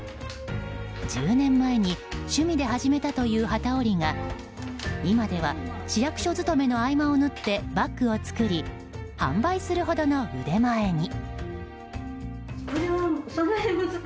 １０年前に趣味で始めたという機織りが今では市役所勤めの合間を縫ってバッグを作り販売するほどの腕前に。